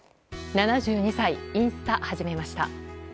７２歳、インスタ始めました。